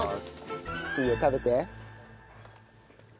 いいよ食べて。